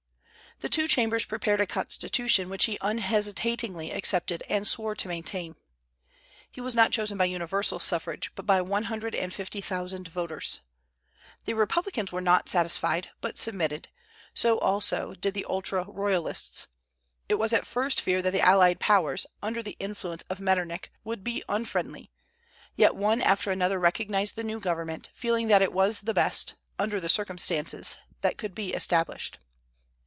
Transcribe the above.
The two Chambers prepared a Constitution, which he unhesitatingly accepted and swore to maintain. He was not chosen by universal suffrage, but by one hundred and fifty thousand voters. The Republicans were not satisfied, but submitted; so also did the ultra Royalists. It was at first feared that the allied Powers, under the influence of Metternich, would be unfriendly; yet one after another recognized the new government, feeling that it was the best, under the circumstances, that could be established.